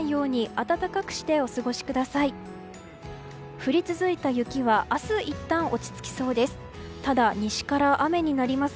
降り続いた雪は明日いったん落ち着きそうです。